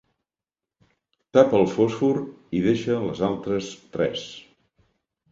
Tapa el fòsfor i deixa les altres tres.